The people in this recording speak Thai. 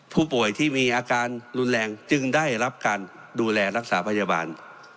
ผู้ป่วยที่มีอาการรุนแรงจึงได้รับการดูแลรักษาพยาบาล